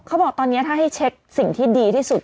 เขาบอกตอนนี้ถ้าให้เช็คสิ่งที่ดีที่สุด